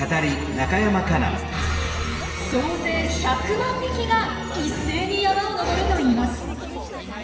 総勢１００万匹が一斉に山を登るといいます。